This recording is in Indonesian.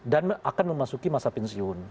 dan akan memasuki masa pensiun